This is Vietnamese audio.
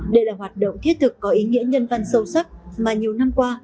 đây là hoạt động thiết thực có ý nghĩa nhân văn sâu sắc mà nhiều năm qua